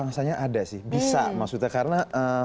bangsanya ada sih bisa maksudnya karena